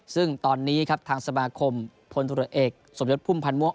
ซึ่งตอนนี้สมาคมพลธุรกษสมยดภูมิพันธ์ม้วง